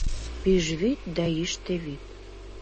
ПӰЖВӰД ДА ЙӰШТӦ ВӰД